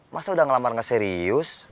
masa udah ngelamar nge serius